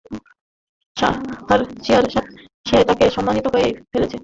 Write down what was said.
Sarah fear তাকে সম্মোহিত করে ফেলেছে।